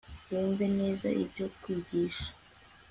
wumve neza ibyo nkwigisha